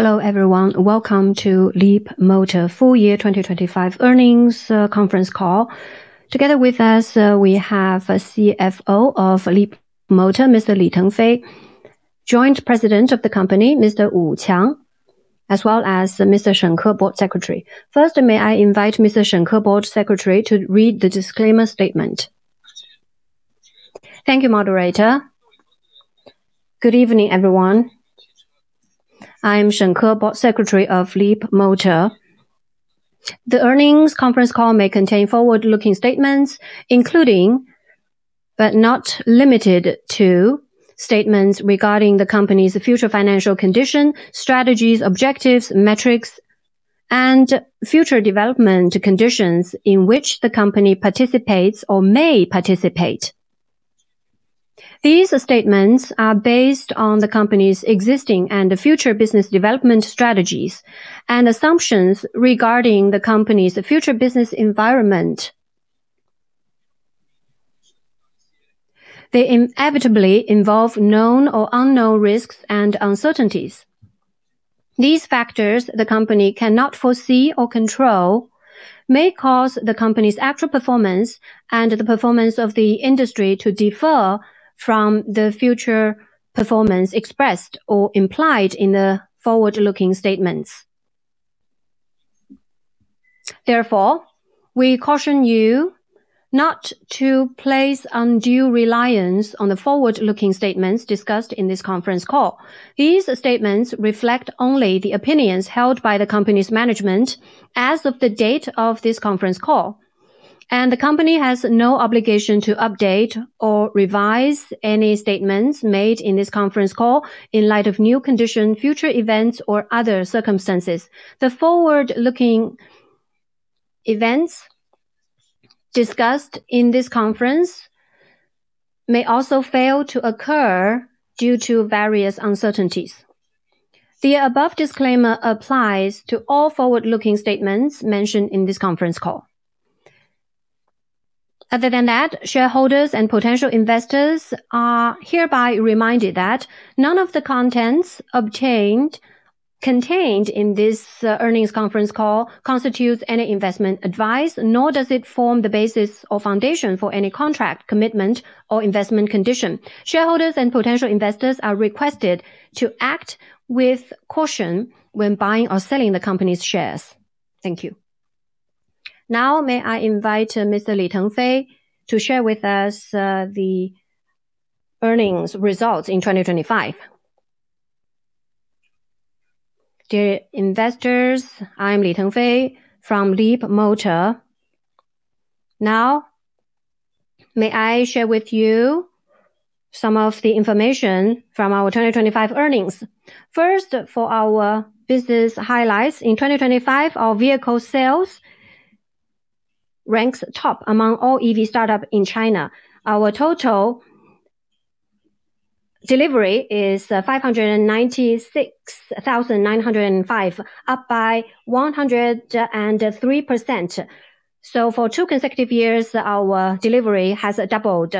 Hello, everyone. Welcome to Leapmotor full year 2025 earnings conference call. Together with us, we have a CFO of Leapmotor, Mr. Li Tengfei, Joint President of the company, Mr. Wu Qiang, as well as Mr. Shen Ke, Board Secretary. First, may I invite Mr. Shen Ke, Board Secretary, to read the disclaimer statement. Thank you, moderator. Good evening, everyone. I'm Shen Ke, Board Secretary of Leapmotor. The earnings conference call may contain forward-looking statements, including, but not limited to, statements regarding the company's future financial condition, strategies, objectives, metrics, and future development conditions in which the company participates or may participate. These statements are based on the company's existing and future business development strategies and assumptions regarding the company's future business environment. They inevitably involve known or unknown risks and uncertainties. These factors that the company cannot foresee or control may cause the company's actual performance and the performance of the industry to differ from the future performance expressed or implied in the forward-looking statements. Therefore, we caution you not to place undue reliance on the forward-looking statements discussed in this conference call. These statements reflect only the opinions held by the company's management as of the date of this conference call, and the company has no obligation to update or revise any statements made in this conference call in light of new conditions, future events or other circumstances. The forward-looking events discussed in this conference may also fail to occur due to various uncertainties. The above disclaimer applies to all forward-looking statements mentioned in this conference call. Other than that, shareholders and potential investors are hereby reminded that none of the contents contained in this earnings conference call constitutes any investment advice, nor does it form the basis or foundation for any contract, commitment, or investment condition. Shareholders and potential investors are requested to act with caution when buying or selling the company's shares. Thank you. May I invite Mr. Li Tengfei to share with us the earnings results in 2025. Dear investors, I'm Li Tengfei from Leapmotor. May I share with you some of the information from our 2025 earnings. First, for our business highlights. In 2025, our vehicle sales ranks top among all EV startup in China. Our total delivery is 596,905, up by 103%. For two consecutive years, our delivery has doubled.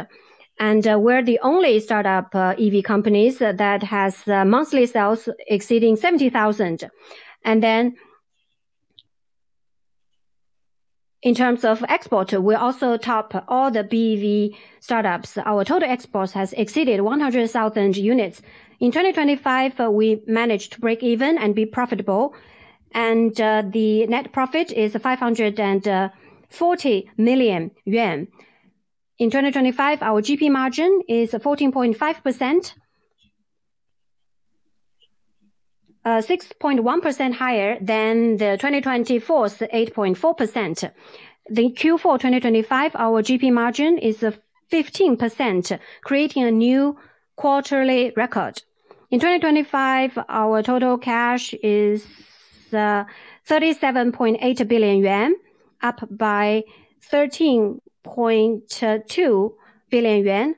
We're the only startup EV companies that has monthly sales exceeding 70,000. In terms of export, we also top all the BEV startups. Our total exports has exceeded 100,000 units. In 2025, we managed to break even and be profitable, the net profit is 540 million yuan. In 2025, our GP margin is 14.5%. 6.1% higher than the 2024's 8.4%. The Q4 2025, our GP margin is 15%, creating a new quarterly record. In 2025, our total cash is 37.8 billion yuan, up by 13.2 billion yuan,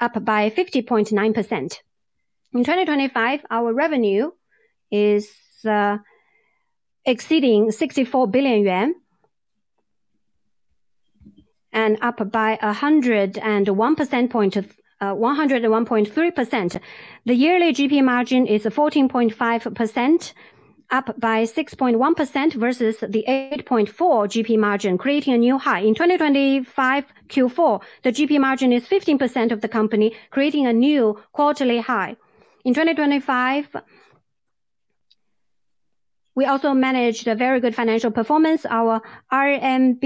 up by 50.9%. In 2025, our revenue is exceeding CNY 64 billion and up by 101.3%. The yearly GP margin is 14.5%, up by 6.1% versus the 8.4% GP margin, creating a new high. In 2025 Q4, the GP margin is 15% of the company, creating a new quarterly high. In 2025, we also managed a very good financial performance. Our RMB,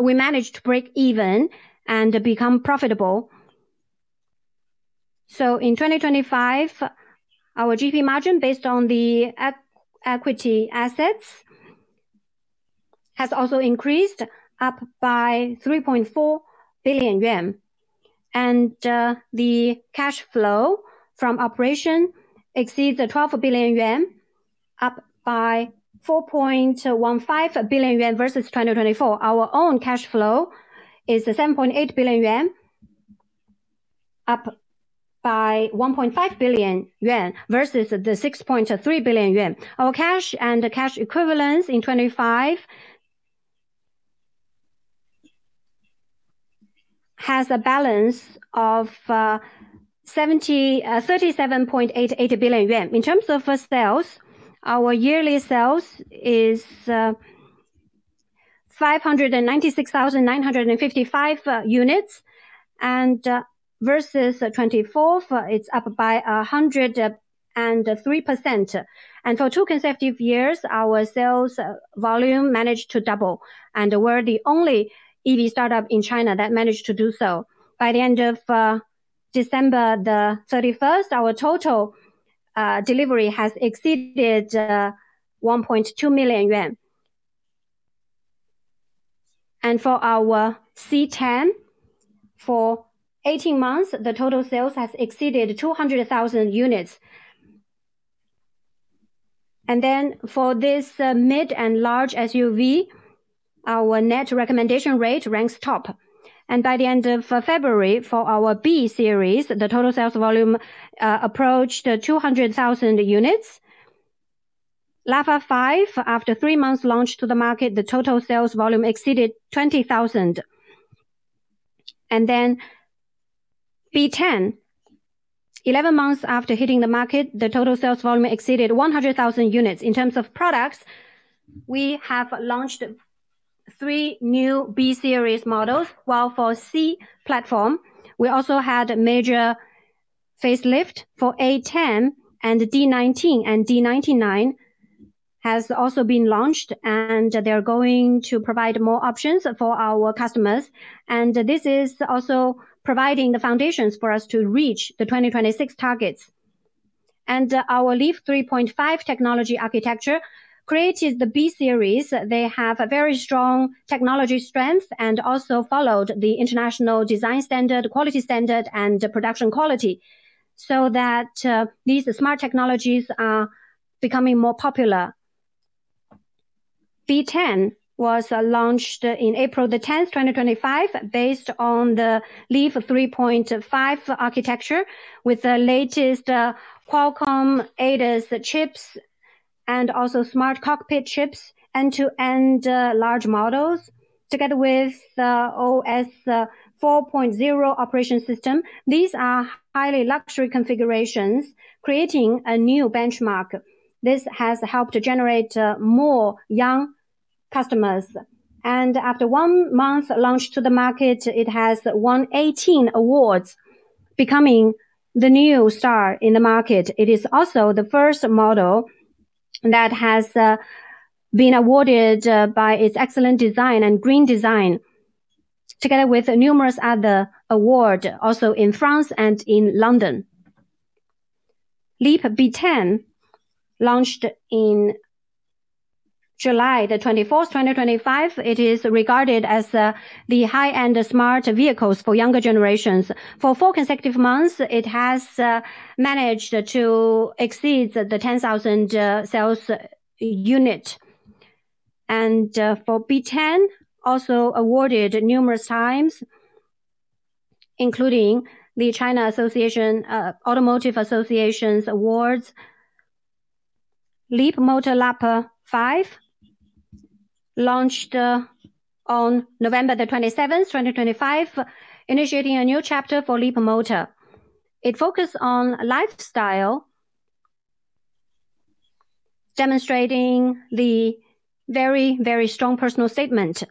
we managed to break even and become profitable. In 2025, our gross profit, based on the equity assets, has also increased up by 3.4 billion yuan. The cash flow from operation exceeds 12 billion yuan, up by 4.15 billion yuan versus 2024. Our own cash flow is 7.8 billion yuan, up by 1.5 billion yuan versus the 6.3 billion yuan. Our cash and cash equivalents in 2025 has a balance of 37.88 billion yuan. In terms of sales, our yearly sales is 596,955 units versus 2024, it's up by 103%. For two consecutive years, our sales volume managed to double, and we're the only EV startup in China that managed to do so. By the end of December 31st, our total delivery has exceeded 1.2 million yuan. For our C10, for 18 months, the total sales has exceeded 200,000 units. For this mid and large SUV, our net recommendation rate ranks top. By the end of February, for our B-series, the total sales volume approached 200,000 units. B05, after three months launch to the market, the total sales volume exceeded 20,000. B10, 11 months after hitting the market, the total sales volume exceeded 100,000 units. In terms of products, we have launched three new B-series models, while for C platform, we also had a major facelift for A10 and D19, and D99 has also been launched, and they're going to provide more options for our customers. This is also providing the foundations for us to reach the 2026 targets. Our LEAP 3.5 technology architecture created the B-series. They have a very strong technology strength and also followed the international design standard, quality standard, and production quality so that these smart technologies are becoming more popular. B10 was launched in April 10, 2025, based on the LEAP 3.5 architecture with the latest Qualcomm ADAS chips and also smart cockpit chips end-to-end large models, together with OS 4.0 operating system. These are highly luxurious configurations, creating a new benchmark. This has helped generate more young customers. After one month launch to the market, it has won 18 awards, becoming the new star in the market. It is also the first model that has been awarded by its excellent design and green design, together with numerous other awards, also in France and in London. LEAP B10 launched in July 24, 2025. It is regarded as the high-end smart vehicles for younger generations. For four consecutive months, it has managed to exceed the 10,000 sales units. For B10, also awarded numerous times, including the China Association of Automobile Manufacturers' awards. Leapmotor Lafa 5 launched on November 27, 2025, initiating a new chapter for Leapmotor. It focus on lifestyle, demonstrating the very, very strong personal statement,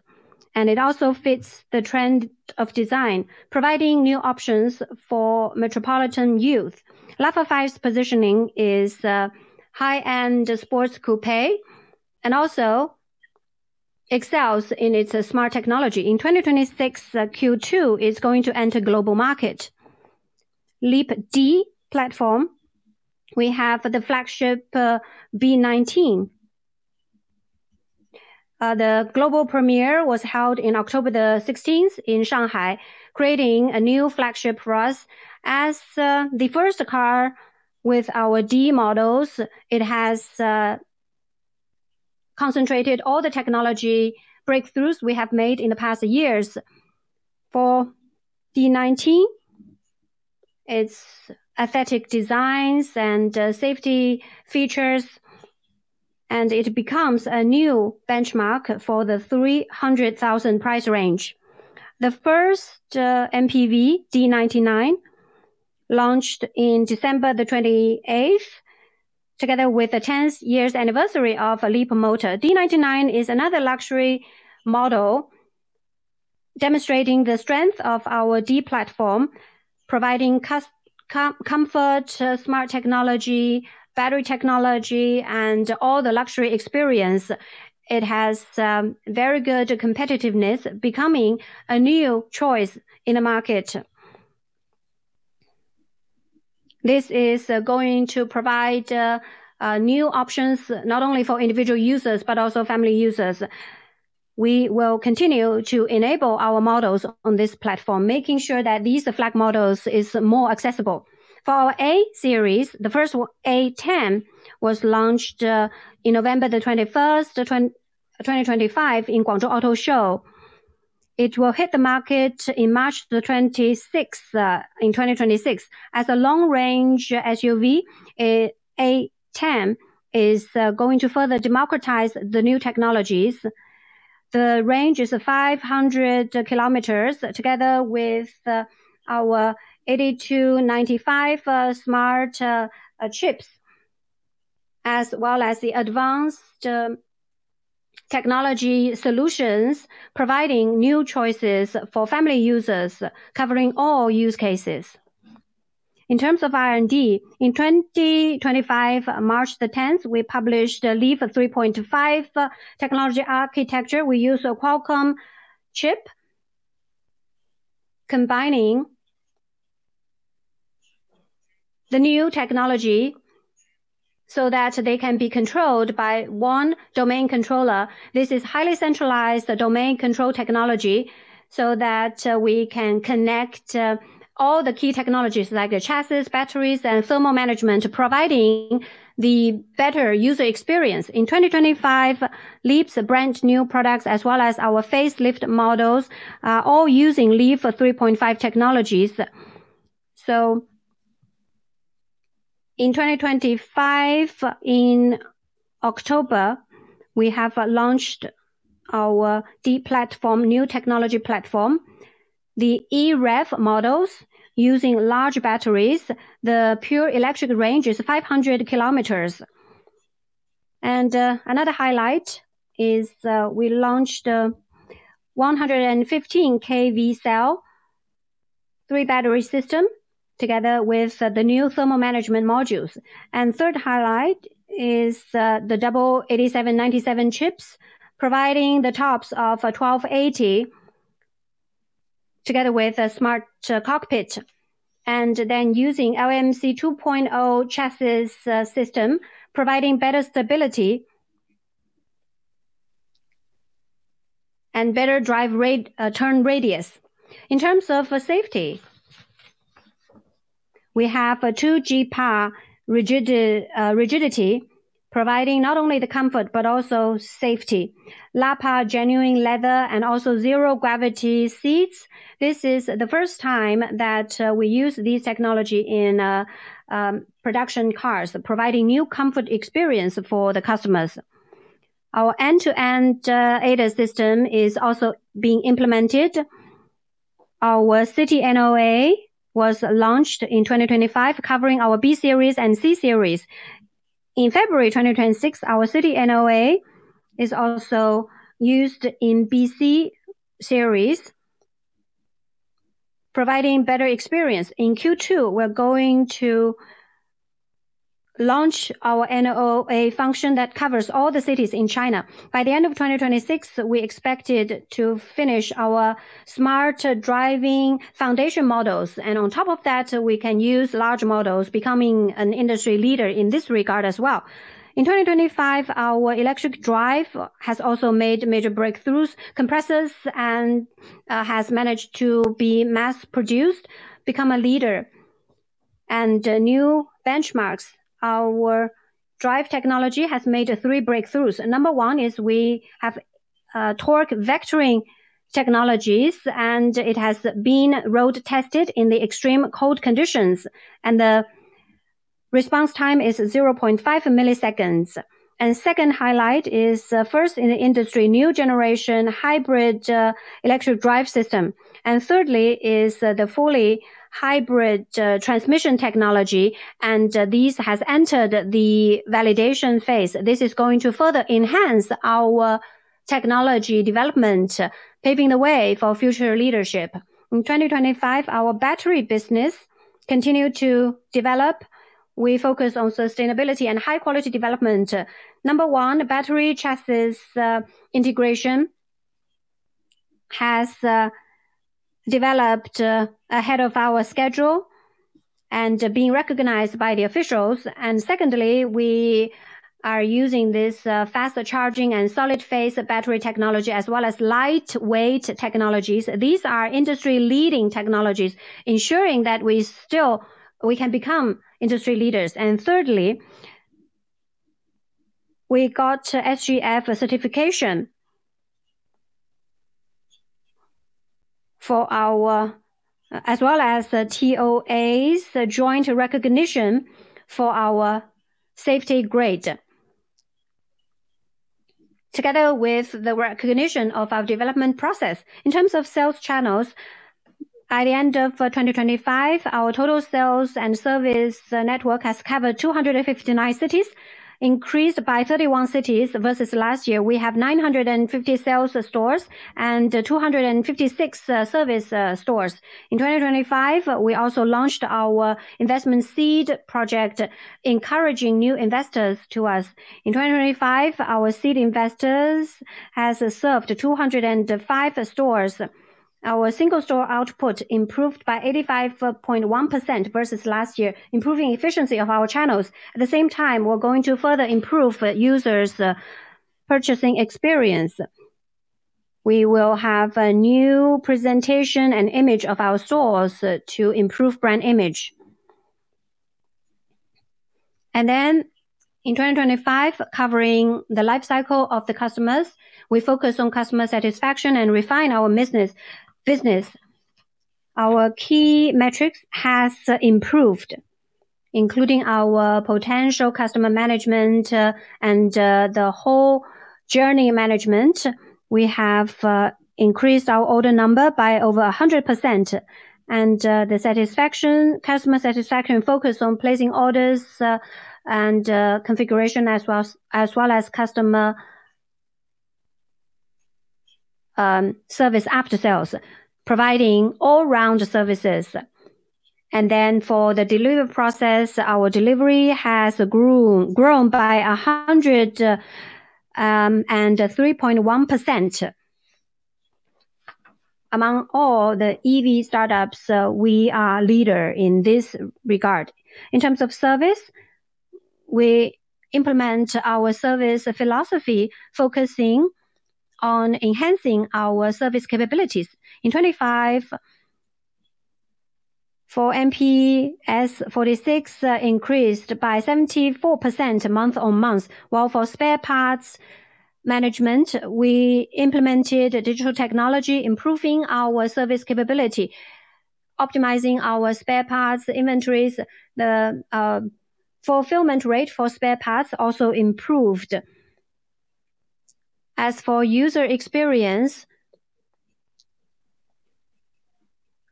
and it also fits the trend of design, providing new options for metropolitan youth. Lafa 5's positioning is a high-end sports coupe and also excels in its smart technology. In 2026 Q2, it's going to enter global market. Leap D platform, we have the flagship, D19. The global premiere was held in October 16 in Shanghai, creating a new flagship for us. As the first car with our D models, it has concentrated all the technology breakthroughs we have made in the past years. For D19, its aesthetic designs and safety features, it becomes a new benchmark for the 300,000 price range. The first MPV D99 launched in December 28th, together with the tenth years anniversary of Leapmotor. D99 is another luxury model demonstrating the strength of our D platform, providing comfort, smart technology, battery technology, and all the luxury experience. It has very good competitiveness, becoming a new choice in the market. This is going to provide new options not only for individual users, but also family users. We will continue to enable our models on this platform, making sure that these flagship models is more accessible. For our A series, the first one, A10, was launched in November 21st, 2025 in Guangzhou Auto Show. It will hit the market in March 26th, 2026. As a long-range SUV, A10 is going to further democratize the new technologies. The range is 500 km together with our 8295 smart chips, as well as the advanced technology solutions providing new choices for family users covering all use cases. In terms of R&D, in 2025, March 10th, we published the LEAP 3.5 technology architecture. We use a Qualcomm chip combining the new technology so that they can be controlled by one domain controller. This is highly centralized, the domain control technology, so that we can connect all the key technologies like chassis, batteries, and thermal management, providing the better user experience. In 2025, LEAP's brand-new products as well as our facelift models are all using LEAP 3.5 technologies. In 2025, in October, we have launched our D platform, new technology platform. The EREV models using large batteries, the pure electric range is 500 km. Another highlight is, we launched a 115 kWh CTC battery system together with the new thermal management modules. Third highlight is, the two 8797 chips providing 1,280 TOPS together with a smart cockpit, and then using LMC 2.0 chassis system, providing better stability and better turn radius. In terms of safety, we have a 2 GPa rigidity providing not only the comfort but also safety. Nappa genuine leather and also zero-gravity seats. This is the first time that we use this technology in production cars, providing new comfort experience for the customers. Our end-to-end ADAS system is also being implemented. Our City NOA was launched in 2025, covering our B series and C series. In February 2026, our City NOA is also used in B and C series, providing better experience. In Q2, we're going to launch our NOA function that covers all the cities in China. By the end of 2026, we expected to finish our smart driving foundation models. On top of that, we can use large models, becoming an industry leader in this regard as well. In 2025, our electric drive has also made major breakthroughs, compresses and has managed to be mass-produced, become a leader and new benchmarks. Our drive technology has made three breakthroughs. Number one is we have torque vectoring technologies, and it has been road tested in the extreme cold conditions. The response time is 0.5 ms. Second highlight is first in the industry, new generation hybrid electric drive system. Thirdly, the fully hybrid transmission technology, and this has entered the validation phase. This is going to further enhance our technology development, paving the way for future leadership. In 2025, our battery business continued to develop. We focus on sustainability and high-quality development. Number one, battery chassis integration has developed ahead of our schedule and being recognized by the officials. Secondly, we are using this faster charging and solid-state battery technology, as well as lightweight technologies. These are industry-leading technologies ensuring that we can become industry leaders. Thirdly, we got SGS certification for our- As well as the TÜV, the joint recognition for our safety grade together with the recognition of our development process. In terms of sales channels, by the end of 2025, our total sales and service network has covered 259 cities, increased by 31 cities versus last year. We have 950 sales stores and 256 service stores. In 2025, we also launched our investment seed project, encouraging new investors to us. In 2025, our seed investors has served 205 stores. Our single-store output improved by 85.1% versus last year, improving efficiency of our channels. At the same time, we're going to further improve users' purchasing experience. We will have a new presentation and image of our stores to improve brand image. In 2025, covering the life cycle of the customers, we focus on customer satisfaction and refine our business. Our key metrics has improved, including our potential customer management, and the whole journey management. We have increased our order number by over 100%. The customer satisfaction focus on placing orders, and configuration as well as customer service after sales, providing all-round services. For the delivery process, our delivery has grown by 103.1%. Among all the EV startups, we are the leader in this regard. In terms of service, we implement our service philosophy focusing on enhancing our service capabilities. In 2025, our NPS 46 increased by 74% month-on-month. While for spare parts management, we implemented digital technology, improving our service capability, optimizing our spare parts inventories. The fulfillment rate for spare parts also improved. As for user experience,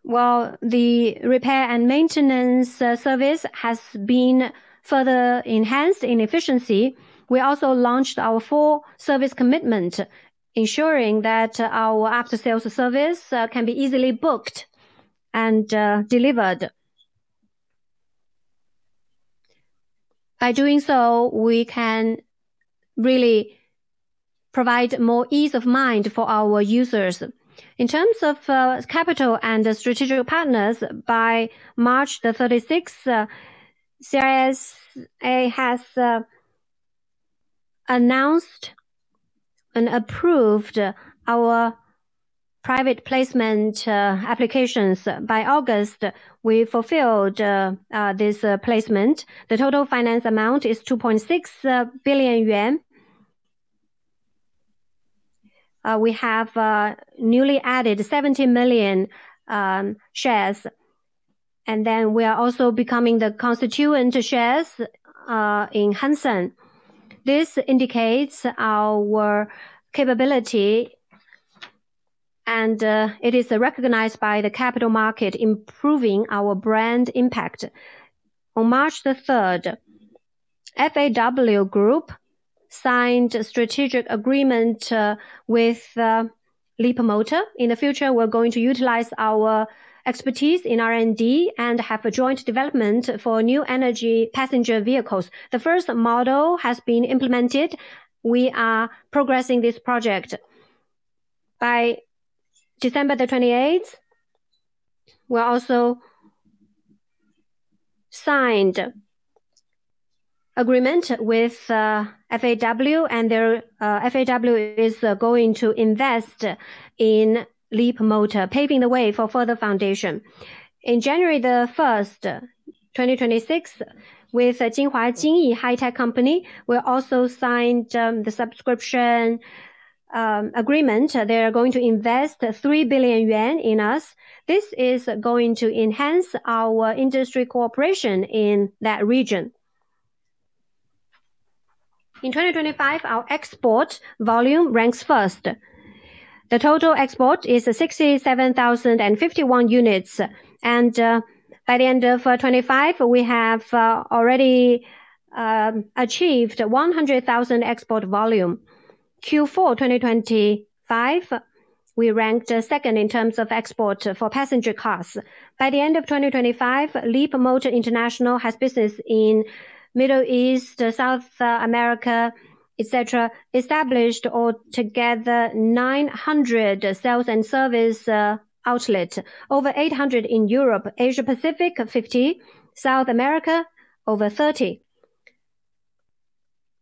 while the repair and maintenance service has been further enhanced in efficiency, we also launched our full service commitment, ensuring that our after-sales service can be easily booked and delivered. By doing so, we can really provide more ease of mind for our users. In terms of capital and strategic partners, by March 36th, CSRC has announced and approved our private placement applications. By August, we fulfilled this placement. The total finance amount is 2.6 billion yuan. We have newly added 70 million shares, and then we are also becoming the constituent shares in Hang Seng. This indicates our capability and it is recognized by the capital market, improving our brand impact. On March 3rd, FAW Group signed a strategic agreement with Leapmotor. In the future, we're going to utilize our expertise in R&D and have a joint development for new energy passenger vehicles. The first model has been implemented. We are progressing this project. By December 28th, we also signed agreement with FAW, and FAW is going to invest in Leapmotor, paving the way for further foundation. In January 1st, 2026, with Jinhua Jinyi High-Tech Company, we also signed the subscription agreement. They are going to invest 3 billion yuan in us. This is going to enhance our industry cooperation in that region. In 2025, our export volume ranks first. The total export is 67,051 units. By the end of 2025, we have achieved 100,000 export volume. Q4 2025, we ranked second in terms of export for passenger cars. By the end of 2025, Leapmotor International has business in Middle East, South America, et cetera, established all together 900 sales and service outlet. Over 800 in Europe, Asia-Pacific, 50, South America, over 30.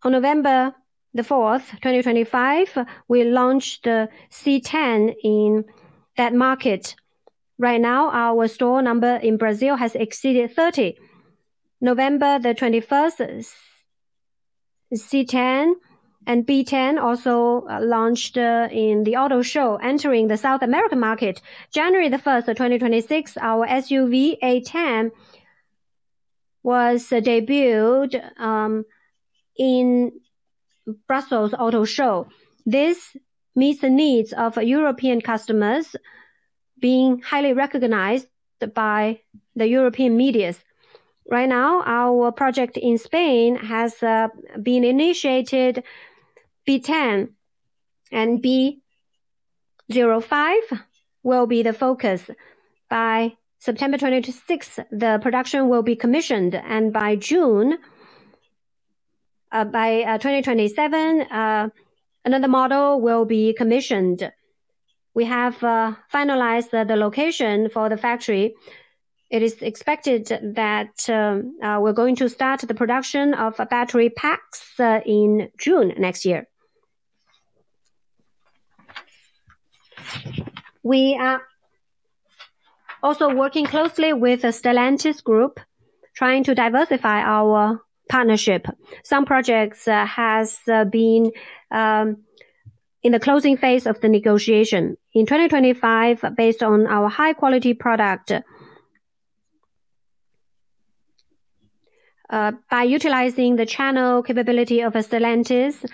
On November 4th, 2025, we launched the C10 in that market. Right now, our store number in Brazil has exceeded 30. November 21, C10 and B10 also launched in the auto show, entering the South American market. January 1, 2026, our SUV, A10, was debuted in Brussels Auto Show. This meets the needs of European customers being highly recognized by the European medias. Right now, our project in Spain has been initiated. B10 and B05 will be the focus. By September 2026, the production will be commissioned, and by June 2027, another model will be commissioned. We have finalized the location for the factory. It is expected that we're going to start the production of battery packs in June next year. We are also working closely with the Stellantis Group, trying to diversify our partnership. Some projects has been in the closing phase of the negotiation. In 2025, based on our high quality product, by utilizing the channel capability of Stellantis,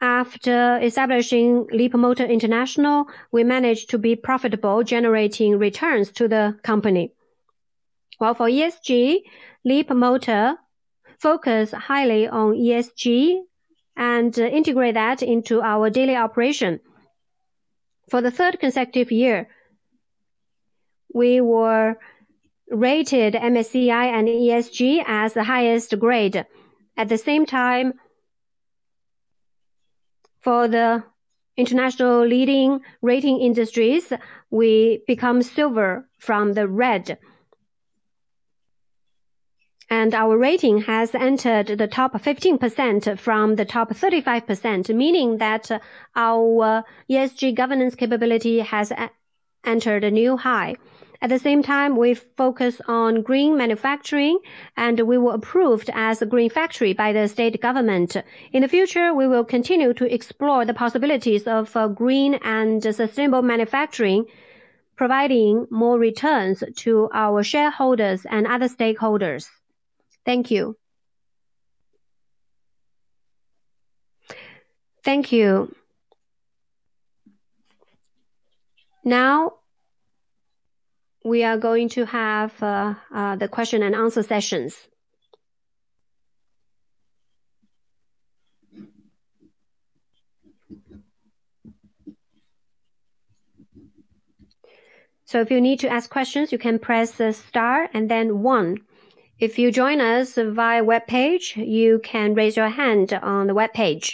after establishing Leapmotor International, we managed to be profitable, generating returns to the company. For ESG, Leapmotor focus highly on ESG and integrate that into our daily operation. For the third consecutive year, we were rated MSCI and ESG as the highest grade. At the same time, for the international leading rating industries, we become silver from the red. Our rating has entered the top 15% from the top 35%, meaning that our ESG governance capability has entered a new high. At the same time, we focus on green manufacturing, and we were approved as a green factory by the state government. In the future, we will continue to explore the possibilities of green and sustainable manufacturing, providing more returns to our shareholders and other stakeholders. Thank you. Thank you. Now we are going to have the question and answer sessions. If you need to ask questions, you can press the star and then one. If you join us via webpage, you can raise your hand on the webpage.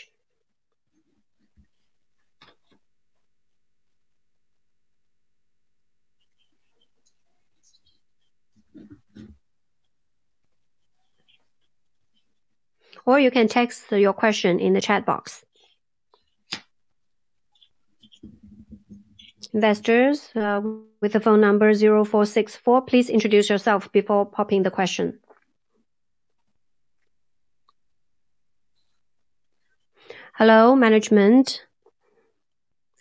Or you can text your question in the chat box. Investors with the phone number 0464, please introduce yourself before popping the question. Hello, management.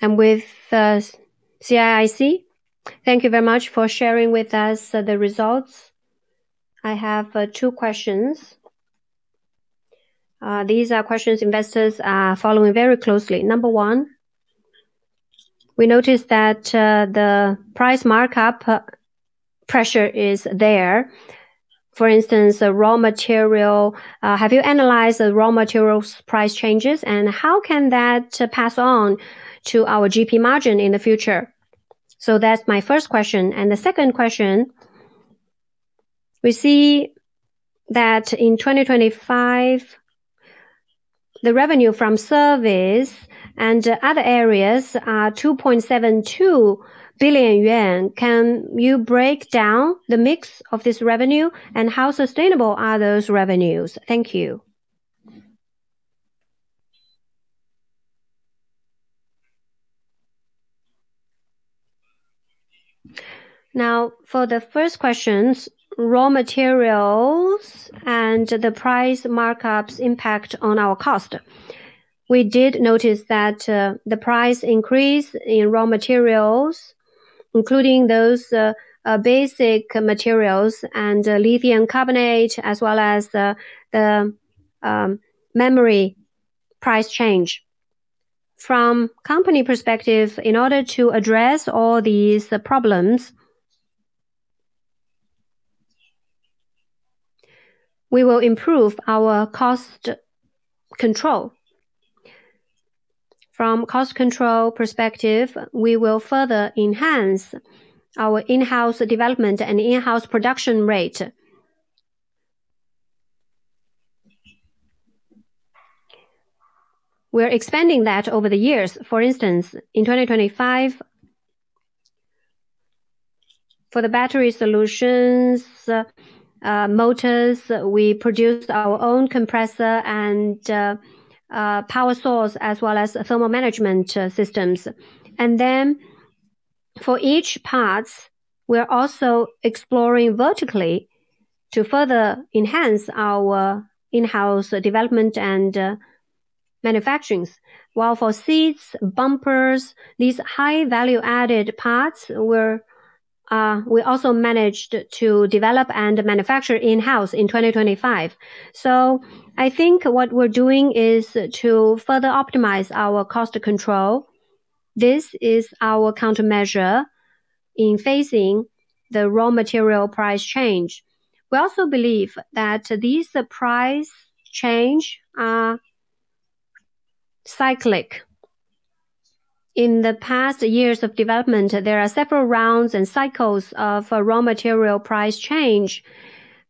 I'm with CICC. Thank you very much for sharing with us the results. I have two questions. These are questions investors are following very closely. Number one, we noticed that the price markup pressure is there. Have you analyzed the raw materials price changes, and how can that pass on to our GP margin in the future? So that's my first question. The second question, we see that in 2025, the revenue from surveys and other areas are 2.72 billion yuan. Can you break down the mix of this revenue and how sustainable are those revenues? Thank you. Now, for the first questions, raw materials and the price markups impact on our cost. We did notice that the price increase in raw materials, including those basic materials and lithium carbonate, as well as the memory price change. From company perspective, in order to address all these problems, we will improve our cost control. From cost control perspective, we will further enhance our in-house development and in-house production rate. We're expanding that over the years. For instance, in 2025, for the battery solutions, motors, we produced our own compressor and power source as well as thermal management systems. For each parts, we're also exploring vertically to further enhance our in-house development and manufacturings. While for seats, bumpers, these high value-added parts, we also managed to develop and manufacture in-house in 2025. I think what we're doing is to further optimize our cost control. This is our countermeasure in facing the raw material price change. We also believe that these price change are cyclic. In the past years of development, there are several rounds and cycles of raw material price change.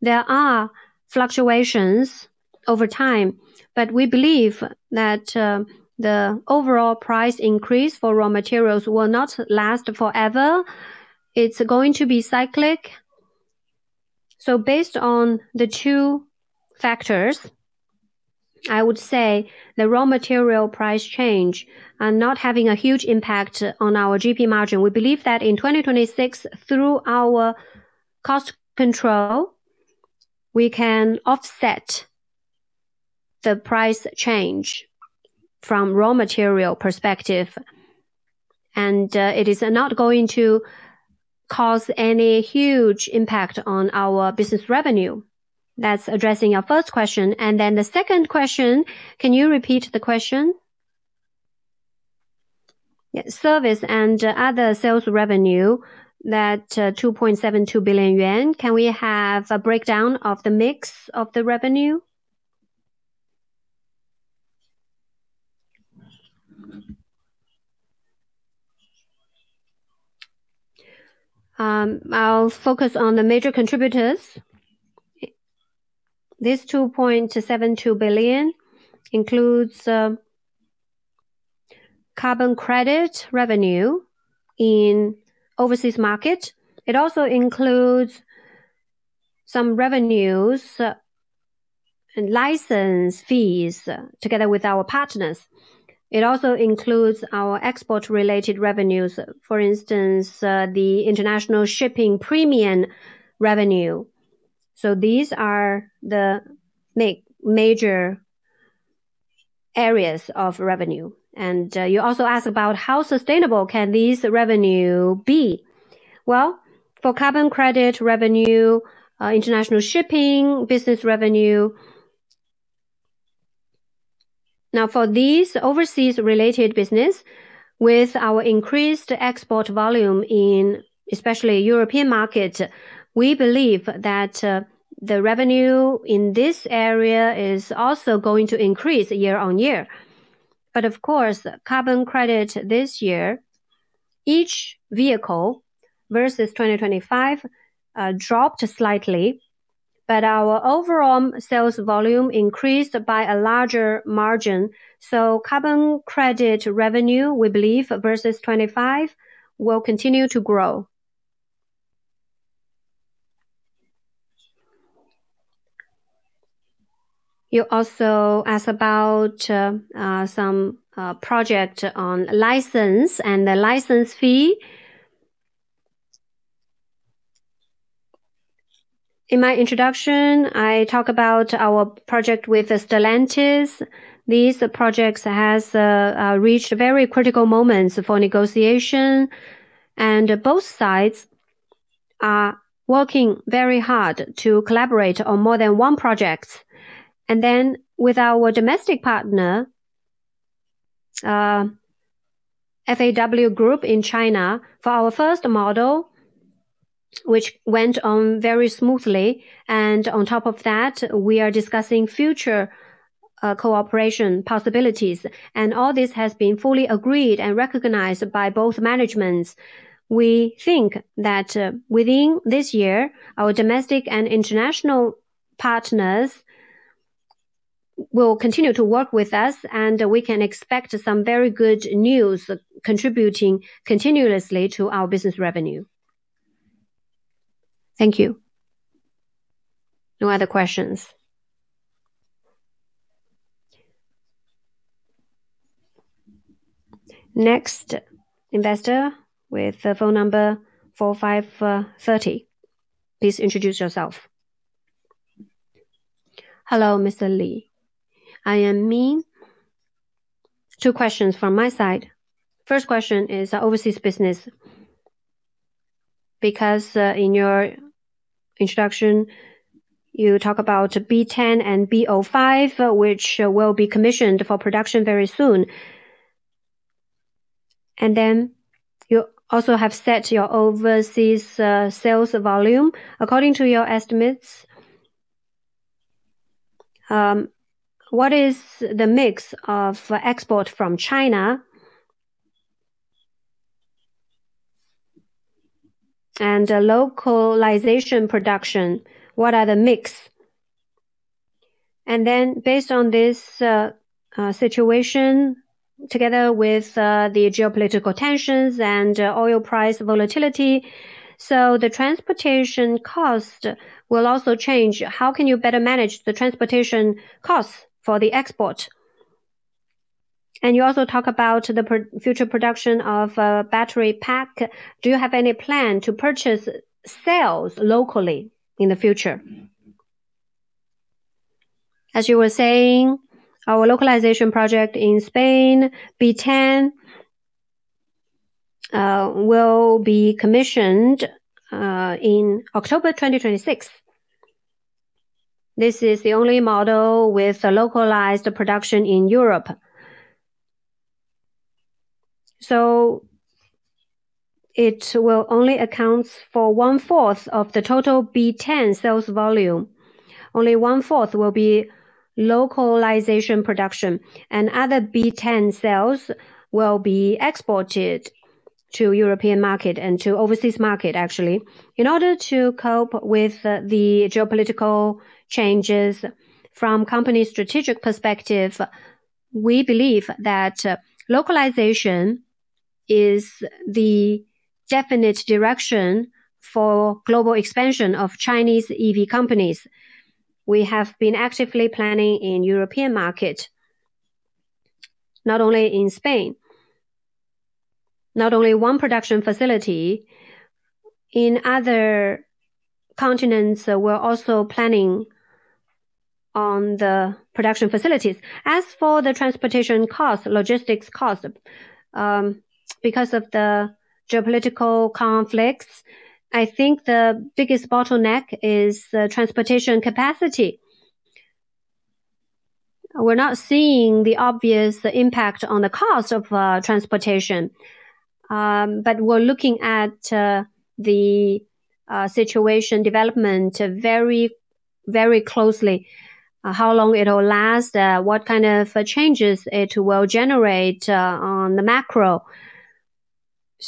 There are fluctuations over time, but we believe that the overall price increase for raw materials will not last forever. It's going to be cyclic. Based on the two factors, I would say the raw material price change are not having a huge impact on our GP margin. We believe that in 2026, through our cost control we can offset the price change from raw material perspective, and it is not going to cause any huge impact on our business revenue. That's addressing your first question. Then the second question, can you repeat the question? Yeah. Service and other sales revenue, that 2.72 billion yuan, can we have a breakdown of the mix of the revenue? I'll focus on the major contributors. This CNY 2.72 billion includes carbon credit revenue in overseas market. It also includes some revenues and license fees together with our partners. It also includes our export-related revenues, for instance, the international shipping premium revenue. These are the major areas of revenue. You also ask about how sustainable can these revenue be. Well, for carbon credit revenue, international shipping business revenue. For these overseas related business, with our increased export volume in especially European market, we believe that the revenue in this area is also going to increase year-on-year. Of course, carbon credit this year, each vehicle versus 2025, dropped slightly, but our overall sales volume increased by a larger margin. Carbon credit revenue, we believe, versus 2025 will continue to grow. You also ask about some project on license and the license fee. In my introduction, I talk about our project with Stellantis. These projects has reached very critical moments for negotiation, and both sides are working very hard to collaborate on more than one project. With our domestic partner, FAW Group in China, for our first model, which went on very smoothly, and on top of that, we are discussing future cooperation possibilities. All this has been fully agreed and recognized by both managements. We think that, within this year, our domestic and international partners will continue to work with us, and we can expect some very good news contributing continuously to our business revenue. Thank you. No other questions. Next investor with the phone number 4530. Please introduce yourself. Hello, Mr. Li. I am Min. Two questions from my side. First question is overseas business, because, in your introduction, you talk about B10 and B05, which will be commissioned for production very soon. You also have set your overseas sales volume. According to your estimates, what is the mix of export from China and the localization production? What are the mix? Based on this situation, together with the geopolitical tensions and oil price volatility, the transportation cost will also change. How can you better manage the transportation costs for the export? You also talk about the our future production of battery pack. Do you have any plan to produce and sell locally in the future? As you were saying, our localization project in Spain, B10, will be commissioned in October 2026. This is the only model with a localized production in Europe. It will only account for 1/4 of the total B10 sales volume. Only 1/4 will be localized production, and other B10 sales will be exported to European market and to overseas market, actually. In order to cope with the geopolitical changes from the company's strategic perspective, we believe that localization is the definite direction for global expansion of Chinese EV companies. We have been actively planning in European market, not only in Spain. Not only one production facility. In other continents, we're also planning on the production facilities. As for the transportation cost, logistics cost, because of the geopolitical conflicts, I think the biggest bottleneck is the transportation capacity. We're not seeing the obvious impact on the cost of transportation, but we're looking at the situation development very, very closely, how long it'll last, what kind of changes it will generate, on the macro.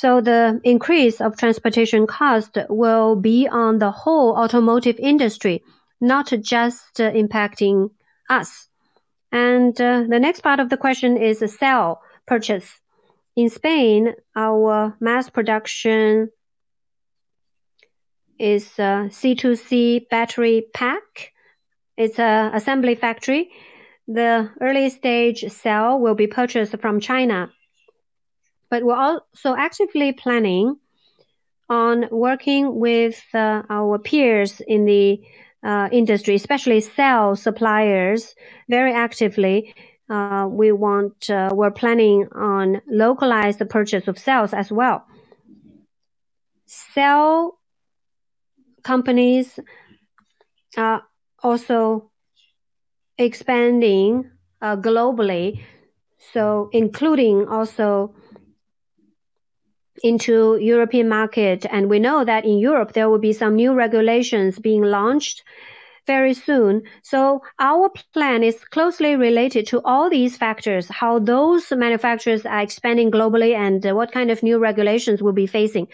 The increase of transportation cost will be on the whole automotive industry, not just impacting us. The next part of the question is the cell purchase. In Spain, our mass production is CTC battery pack. It's an assembly factory. The early stage cell will be purchased from China. We're also actively planning on working with our peers in the industry, especially cell suppliers, very actively. We want, we're planning on localized purchase of cells as well. Cell companies are also expanding globally, so including also into European market. We know that in Europe there will be some new regulations being launched very soon. Our plan is closely related to all these factors, how those manufacturers are expanding globally, and what kind of new regulations we'll be facing.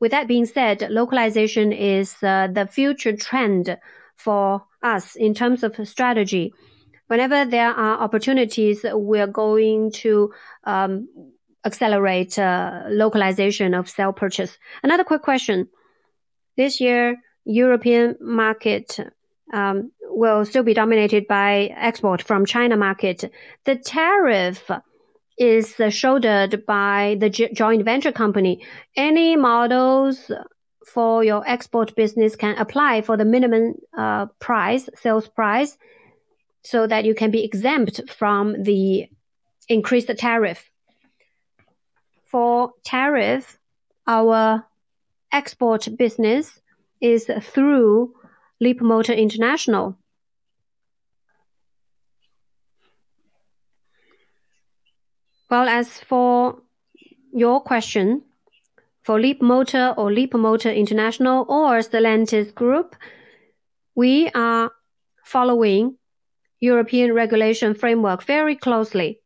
With that being said, localization is the future trend for us in terms of strategy. Whenever there are opportunities, we are going to accelerate localization of cell purchase. Another quick question. This year, European market will still be dominated by export from China market. The tariff is shouldered by the joint venture company. Any models for your export business can apply for the minimum price, sales price, so that you can be exempt from the increased tariff. For tariff, our export business is through Leapmotor International. Well, as for your question, for Leapmotor or Leapmotor International or Stellantis Group, we are following European regulation framework very closely.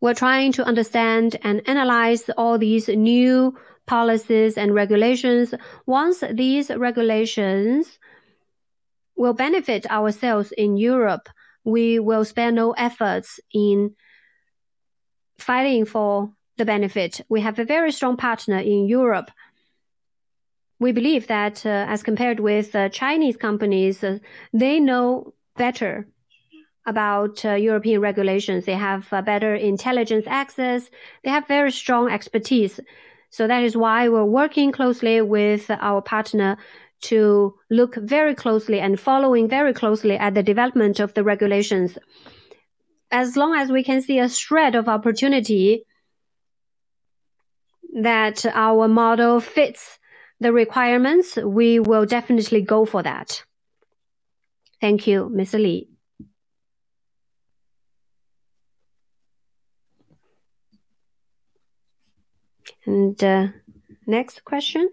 We're trying to understand and analyze all these new policies and regulations. Once these regulations will benefit ourselves in Europe, we will spare no efforts in fighting for the benefit. We have a very strong partner in Europe. We believe that, as compared with Chinese companies, they know better about European regulations. They have better intelligence access. They have very strong expertise. That is why we're working closely with our partner to look very closely and following very closely at the development of the regulations. As long as we can see a shred of opportunity that our model fits the requirements, we will definitely go for that. Thank you, Mr. Li. Next question,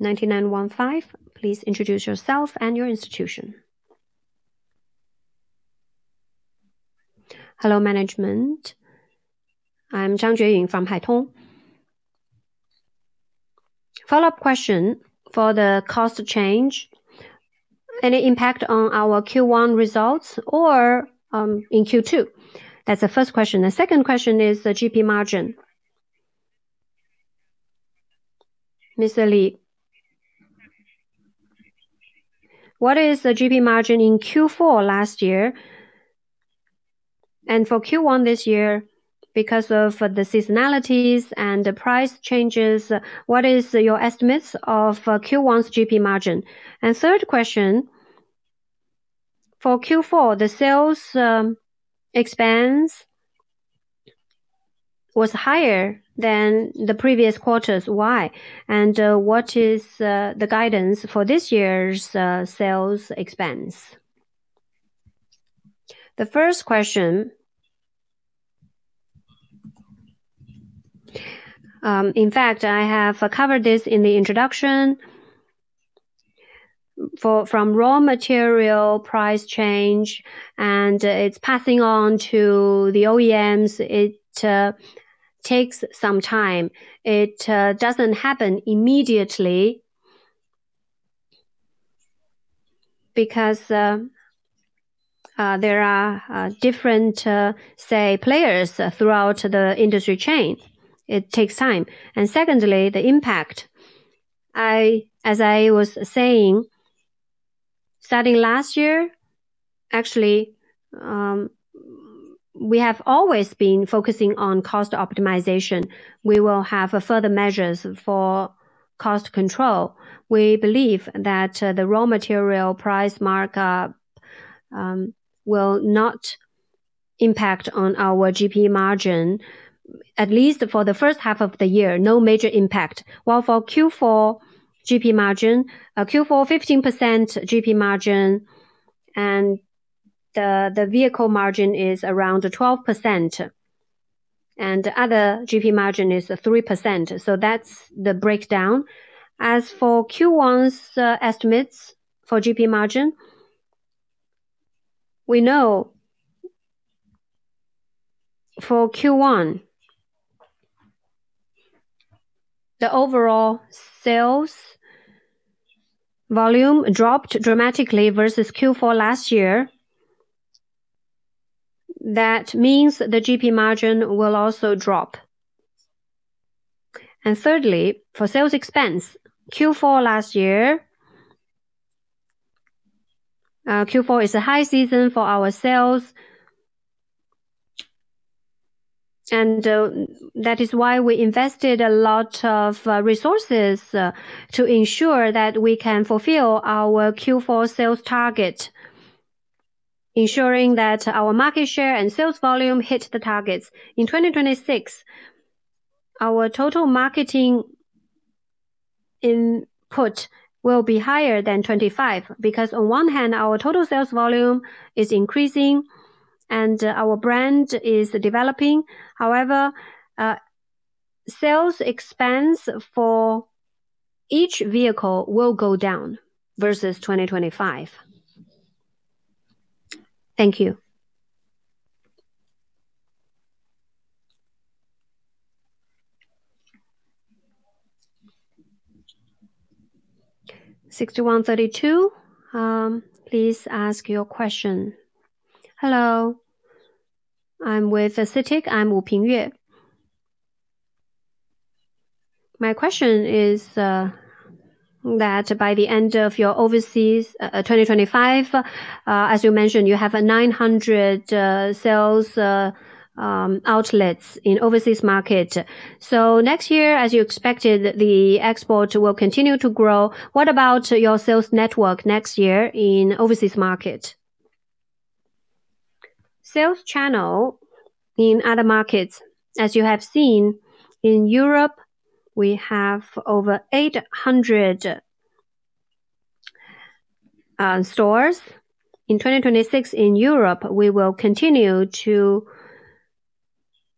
9915. Please introduce yourself and your institution. Hello, management. I'm Zhang Jueying from Haitong. Follow-up question for the cost change. Any impact on our Q1 results or in Q2? That's the first question. The second question is the GP margin. Mr. Li, what is the GP margin in Q4 last year? And for Q1 this year, because of the seasonalities and the price changes, what is your estimates of Q1's GP margin? Third question, for Q4, the sales expense was higher than the previous quarters. Why? What is the guidance for this year's sales expense? The first question, in fact, I have covered this in the introduction. From raw material price change, and it's passing on to the OEMs, it takes some time. It doesn't happen immediately because there are different say players throughout the industry chain. It takes time. Secondly, the impact. As I was saying, starting last year, actually, we have always been focusing on cost optimization. We will have further measures for cost control. We believe that the raw material price markup will not impact on our GP margin, at least for the first half of the year, no major impact. While for Q4 GP margin, Q4 15% GP margin and the vehicle margin is around 12%. And other GP margin is 3%, so that's the breakdown. As for Q1's estimates for GP margin, we know for Q1 the overall sales volume dropped dramatically versus Q4 last year. That means the GP margin will also drop. Thirdly, for sales expense, Q4 last year. Q4 is a high season for our sales. That is why we invested a lot of resources to ensure that we can fulfill our Q4 sales target. Ensuring that our market share and sales volume hit the targets. In 2026, our total marketing input will be higher than 2025 because on one hand, our total sales volume is increasing and our brand is developing. However, sales expense for each vehicle will go down versus 2025. Thank you. 6132, please ask your question. Hello. I'm with CITIC. I'm Wu Pingyue. My question is, that by the end of your overseas 2025, as you mentioned, you have 900 sales outlets in overseas market. Next year, as you expected, the export will continue to grow. What about your sales network next year in overseas market? Sales channel in other markets, as you have seen, in Europe, we have over 800 stores. In 2026 in Europe, we will continue to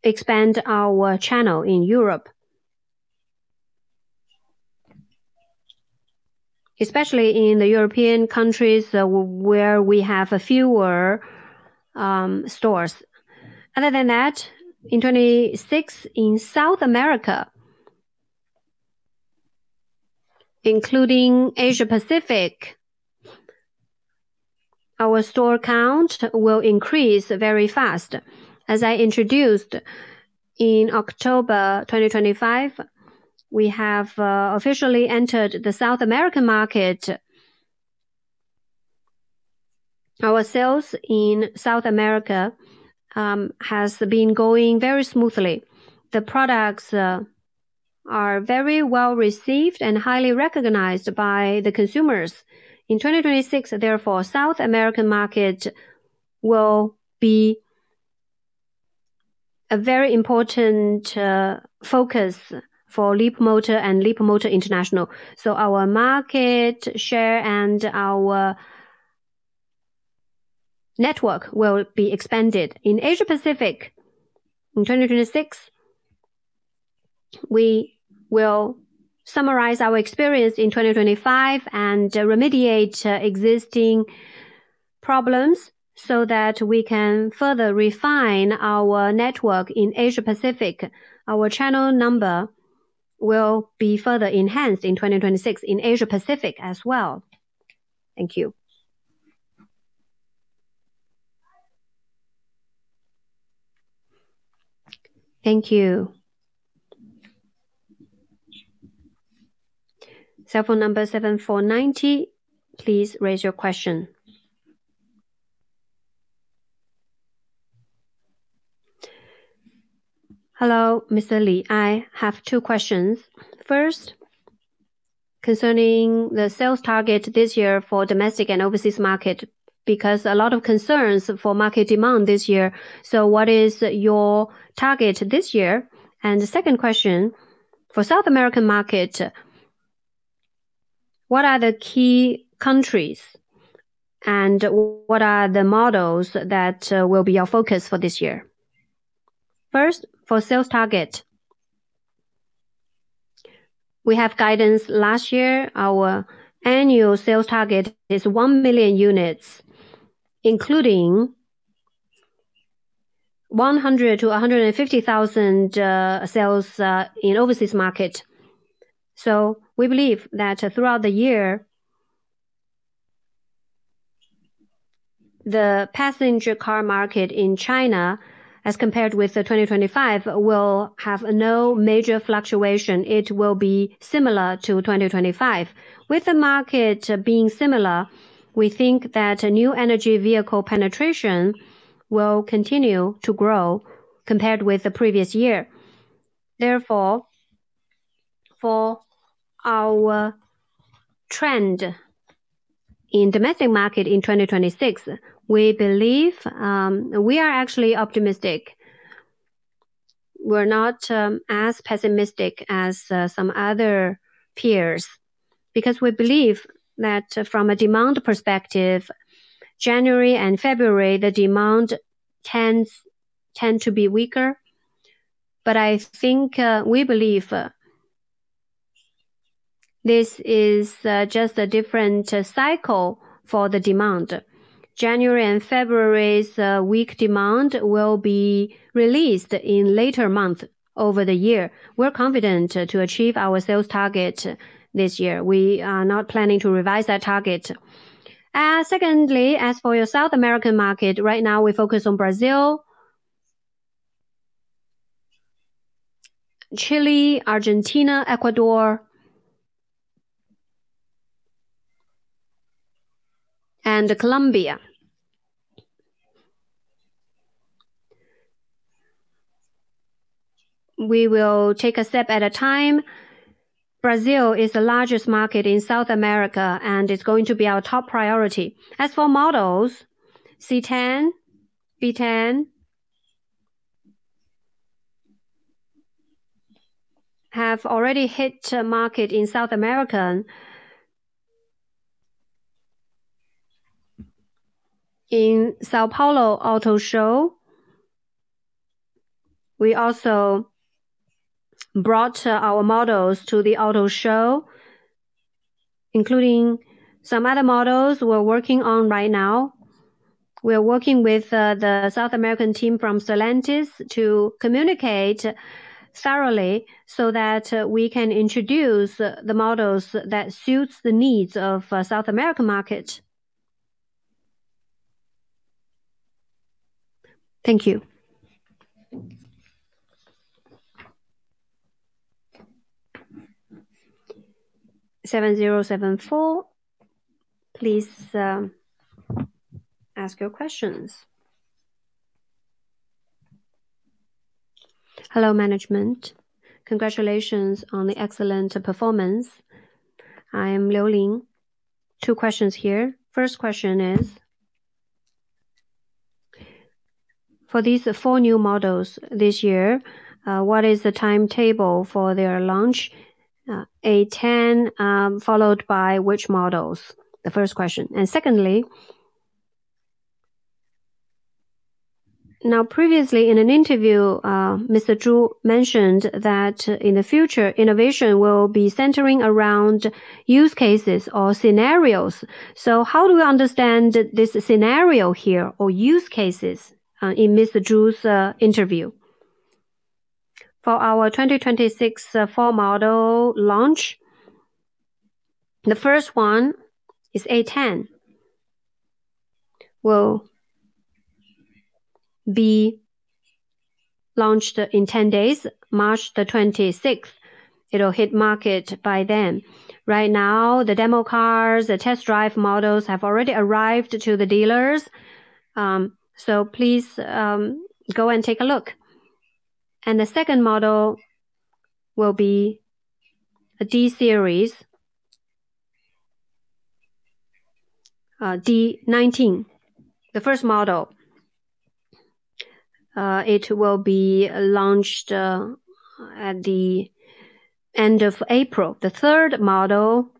expand our channel in Europe. Especially in the European countries where we have fewer stores. In 2026, in South America, including Asia-Pacific, our store count will increase very fast. As I introduced, in October 2025, we have officially entered the South American market. Our sales in South America has been going very smoothly. The products are very well-received and highly recognized by the consumers. In 2026, therefore, South American market will be a very important focus for Leapmotor and Leapmotor International. Our market share and our network will be expanded. In Asia-Pacific in 2026, we will summarize our experience in 2025 and remediate existing problems so that we can further refine our network in Asia-Pacific. Our channel number will be further enhanced in 2026 in Asia-Pacific as well. Thank you. Thank you. Line 7419, please ask your question. Hello, Mr. Li. I have two questions. First, concerning the sales target this year for domestic and overseas market, because a lot of concerns for market demand this year. What is your target this year? The second question, for South American market, what are the key countries and what are the models that will be your focus for this year? First, for sales target, we have guidance. Last year, our annual sales target is 1 million units, including 100,000-150,000 sales in overseas market. We believe that throughout the year. The passenger car market in China as compared with the 2025 will have no major fluctuation. It will be similar to 2025. With the market being similar, we think that new energy vehicle penetration will continue to grow compared with the previous year. Therefore, for our trend in domestic market in 2026, we believe, we are actually optimistic. We're not as pessimistic as some other peers because we believe that from a demand perspective, January and February, the demand tends to be weaker. I think, we believe this is just a different cycle for the demand. January and February's weak demand will be released in later month over the year. We're confident to achieve our sales target this year. We are not planning to revise that target. Secondly, as for your South American market, right now we focus on Brazil. Chile, Argentina, Ecuador, and Colombia. We will take a step at a time. Brazil is the largest market in South America, and it's going to be our top priority. As for models, C10, B10 have already hit market in South America. In São Paulo Auto Show, we also brought our models to the auto show, including some other models we're working on right now. We are working with the South American team from Stellantis to communicate thoroughly so that we can introduce the models that suits the needs of South American market. Thank you. 7074, please ask your questions. Hello, management. Congratulations on the excellent performance. I am Liu Ling. Two questions here. First question is, for these four new models this year, what is the timetable for their launch? A10, followed by which models? The first question. Secondly, now, previously in an interview, Mr. Zhu mentioned that in the future, innovation will be centering around use cases or scenarios. How do we understand this scenario here or use cases in Mr. Zhu's interview? For our 2026 four model launch, the first one is A10, will be launched in 10 days, March 26. It'll hit market by then. Right now, the demo cars, the test drive models have already arrived to the dealers, so please go and take a look. The second model will be a D-Series, D19, the first model. It will be launched at the end of April. The third model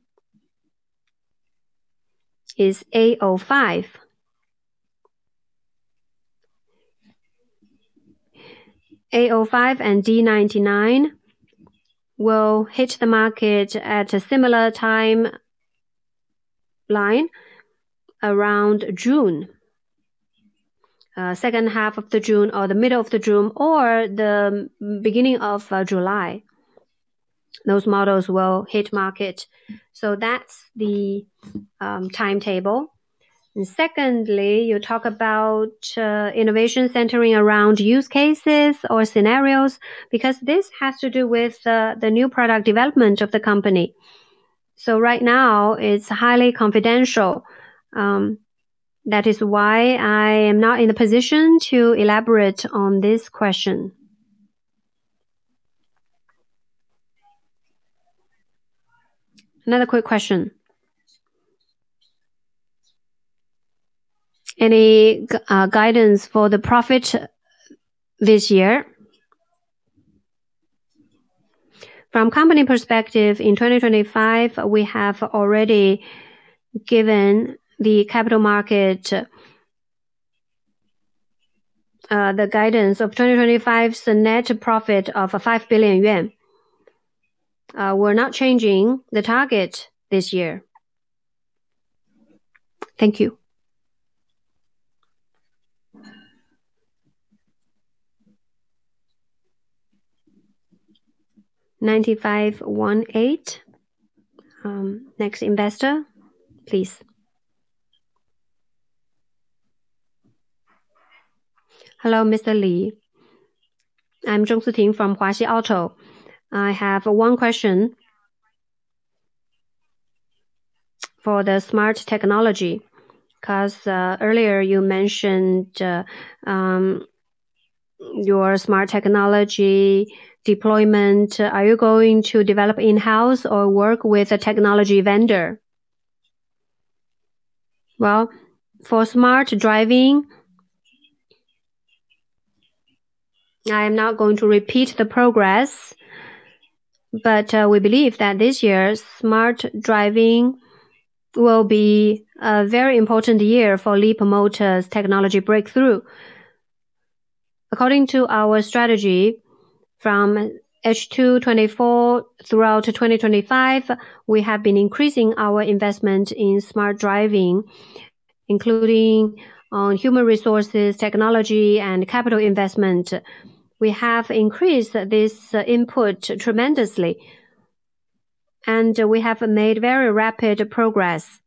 is A05. A05 and D19 will hit the market at a similar timeline around June. Second half of June or the middle of June or the beginning of July, those models will hit market. That's the timetable. Secondly, you talk about innovation centering around use cases or scenarios because this has to do with the new product development of the company. Right now, it's highly confidential. That is why I am not in a position to elaborate on this question. Another quick question. Any guidance for the profit this year? From company perspective, in 2025, we have already given the capital market the guidance of 2025's net profit of 5 billion yuan. We're not changing the target this year. Thank you. 9518. Next investor, please. Hello, Mr. Li. I'm Zhong Suting from Huaxi Auto. I have one question for the smart technology, cause earlier you mentioned your smart technology deployment. Are you going to develop in-house or work with a technology vendor? Well, for smart driving, I am not going to repeat the progress, but we believe that this year smart driving will be a very important year for Leapmotor's technology breakthrough. According to our strategy from H2 2024 throughout to 2025, we have been increasing our investment in smart driving, including on human resources, technology, and capital investment. We have increased this input tremendously, and we have made very rapid progress.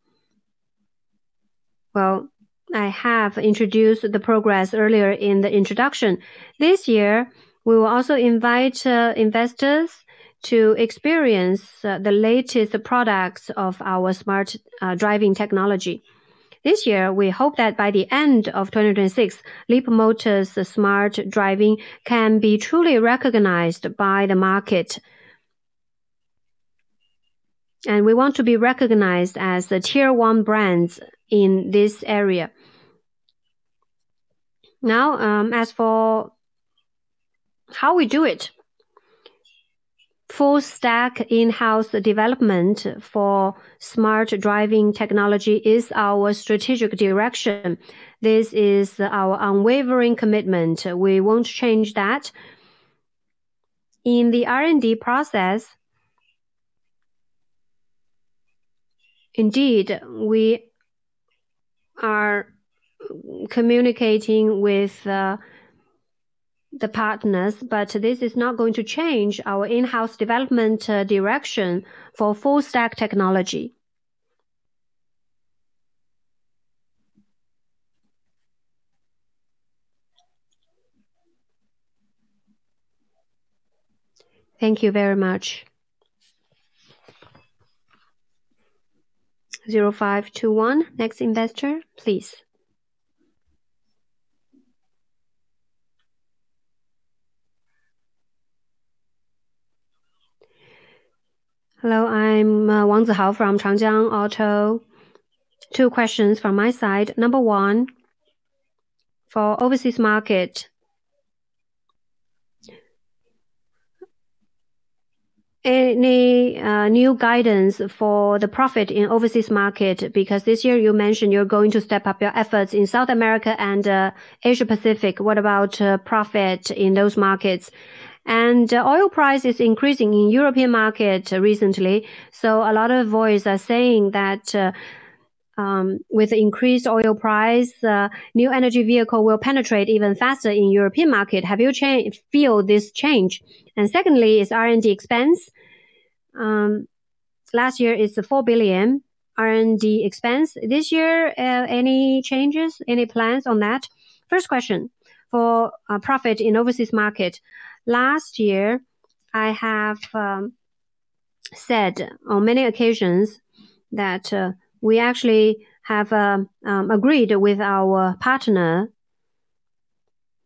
Well, I have introduced the progress earlier in the introduction. This year we will also invite investors to experience the latest products of our smart driving technology. This year we hope that by the end of 2026, Leapmotor's smart driving can be truly recognized by the market. We want to be recognized as the Tier 1 brands in this area. Now, as for how we do it. Full stack in-house development for smart driving technology is our strategic direction. This is our unwavering commitment. We won't change that. In the R&D process. Indeed, we are communicating with the partners, but this is not going to change our in-house development direction for full stack technology. Thank you very much. 0521, next investor, please. Hello, I'm Wang Zihao from Changjiang Auto. Two questions from my side. Number one, for overseas market. Any new guidance for the profit in overseas market? Because this year you mentioned you're going to step up your efforts in South America and Asia-Pacific. What about profit in those markets? Oil price is increasing in European market recently, so a lot of voices are saying that with increased oil price, new energy vehicle will penetrate even faster in European market. Have you feel this change? Secondly is R&D expense. Last year is 4 billion R&D expense. This year, any changes, any plans on that? First question, for profit in overseas market. Last year, I have said on many occasions that we actually have agreed with our partner.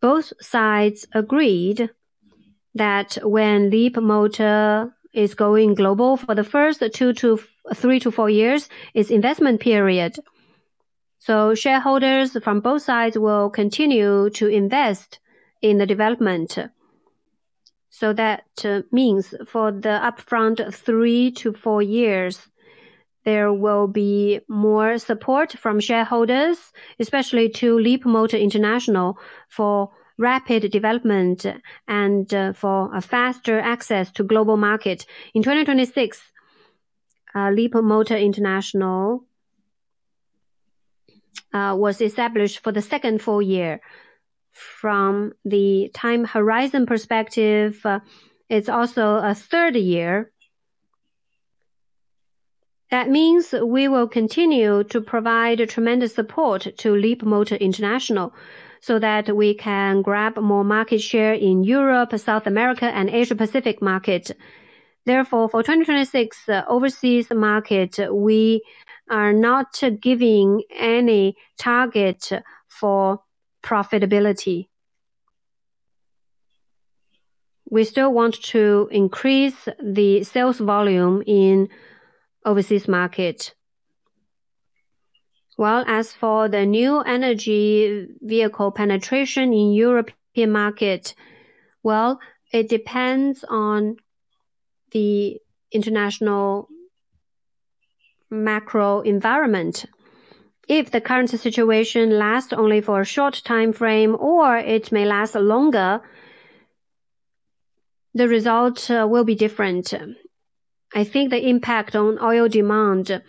Both sides agreed that when Leapmotor is going global, for the first two to three to four years is investment period. Shareholders from both sides will continue to invest in the development. That means for the upfront three to four years, there will be more support from shareholders, especially to Leapmotor International, for rapid development and for a faster access to global market. In 2026, Leapmotor International was established for the second full year. From the time horizon perspective, it's also a third year. That means we will continue to provide a tremendous support to Leapmotor International so that we can grab more market share in Europe, South America, and Asia-Pacific market. Therefore, for 2026, overseas market, we are not giving any target for profitability. We still want to increase the sales volume in overseas market. As for the new energy vehicle penetration in European market, well, it depends on the international macro environment. If the current situation lasts only for a short time frame or it may last longer, the result will be different. I think the impact on oil demand,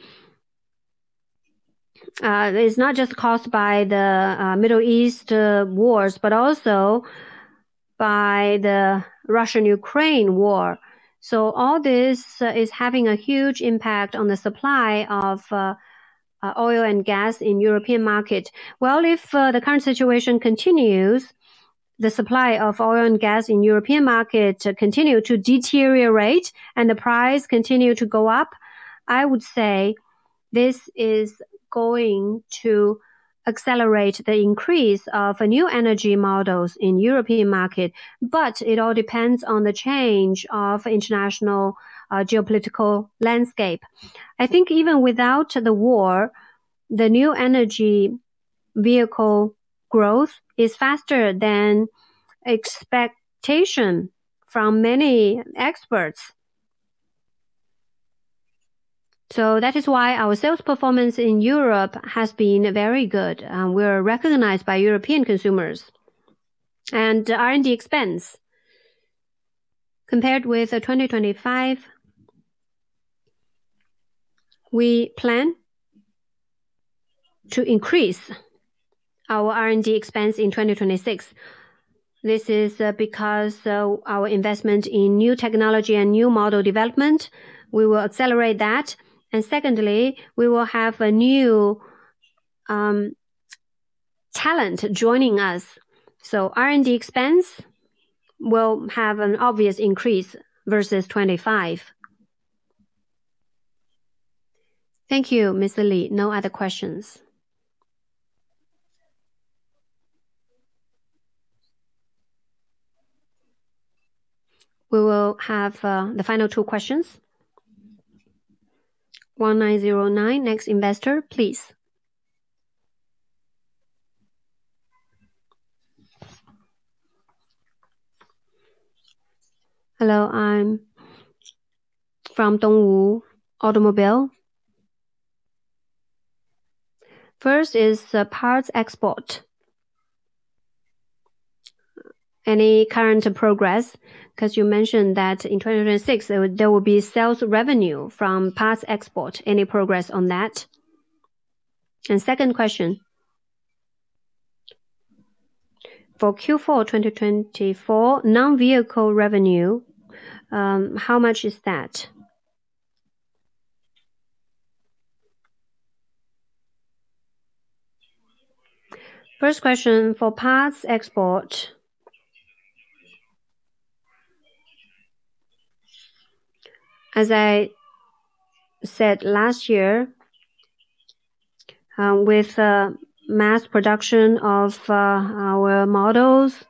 it's not just caused by the Middle East wars, but also by the Russian-Ukraine war. All this is having a huge impact on the supply of oil and gas in European market. Well, if the current situation continues, the supply of oil and gas in European market continue to deteriorate and the price continue to go up, I would say this is going to accelerate the increase of new energy models in European market, but it all depends on the change of international geopolitical landscape. I think even without the war, the new energy vehicle growth is faster than expectation from many experts. That is why our sales performance in Europe has been very good, and we're recognized by European consumers. R&D expense, compared with 2025, we plan to increase our R&D expense in 2026. This is because our investment in new technology and new model development, we will accelerate that. Secondly, we will have a new talent joining us. R&D expense will have an obvious increase versus 2025. Thank you, Mr. Li. No other questions. We will have the final two questions. 1909, next investor, please. Hello, I'm from Dongwu Automobile. First is the parts export. Any current progress? Because you mentioned that in 2026 there will be sales revenue from parts export. Any progress on that? Second question. For Q4 2024 non-vehicle revenue, how much is that? First question, for parts export. As I said last year, with mass production of our models,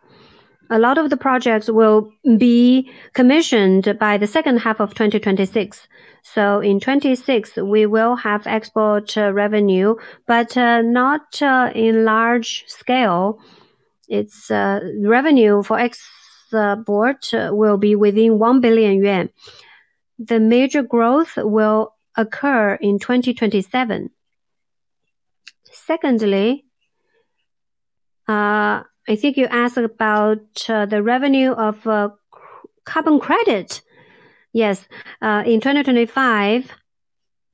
a lot of the projects will be commissioned by the second half of 2026. In 2026 we will have export revenue, but not in large scale. Its revenue for export will be within 1 billion yuan. The major growth will occur in 2027. Secondly, I think you asked about the revenue of carbon credit. Yes. In 2025,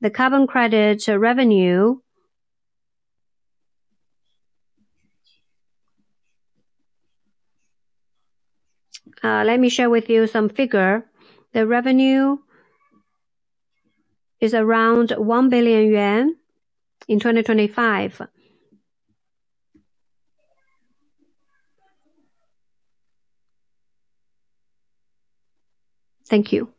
the carbon credit revenue. Let me share with you some figure. The revenue is around 1 billion yuan in 2025. Thank you.